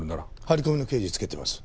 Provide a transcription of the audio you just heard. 張り込みの刑事つけてます。